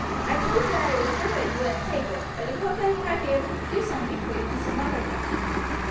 I told him that I was sure that you wouldn't take it, but he hoped that he might be able to do something for you in some other way."